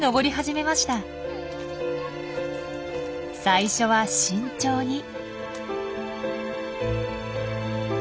最初は慎重に。